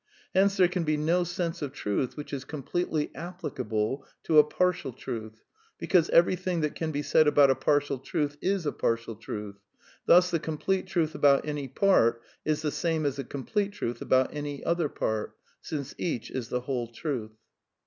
Hence there can be no sense of truth which is com pletely applicable to a partial truth, because everything that can be said about a partial truth is a partial truth ... thus the complete truth about any part is the same as the complete truth about any other part, since each is the whole truth."